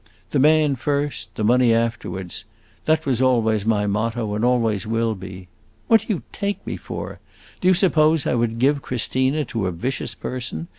The man first the money afterwards: that was always my motto, and always will be. What do you take me for? Do you suppose I would give Christina to a vicious person?